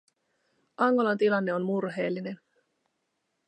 Angolan tilanne on murheellinen.